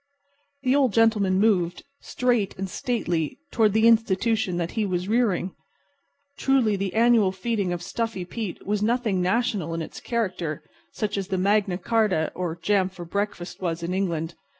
The Old Gentleman moved, straight and stately, toward the Institution that he was rearing. Truly, the annual feeding of Stuffy Pete was nothing national in its character, such as the Magna Charta or jam for breakfast was in England.